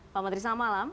pak menteri selamat malam